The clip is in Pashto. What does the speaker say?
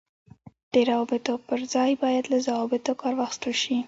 د روابطو پر ځای باید له ضوابطو کار واخیستل شي.